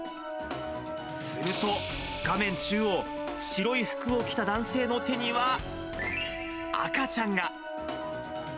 すると、画面中央、白い服を着た男性の手には赤ちゃんが。